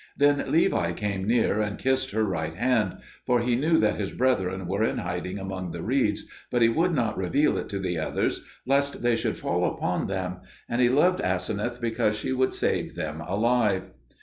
Then Levi came near and kissed her right hand; for he knew that his brethren were in hiding among the reeds, but he would not reveal it to the others lest they should fall upon them; and he loved Aseneth because she would save them alive.